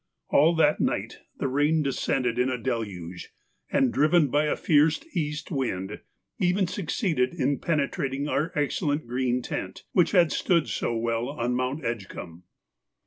All that night the rain descended in a deluge, and, driven by a fierce east wind, even succeeded in penetrating our excellent green tent which had stood so well on Mount Edgcumbe.